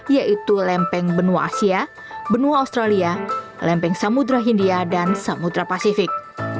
yaitu lempeng benua asia benua australia lempeng samudera hindia dan samudera pasifik